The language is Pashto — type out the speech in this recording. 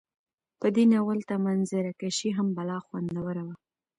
په دې ناول ته منظره کشي هم بلا خوندوره وه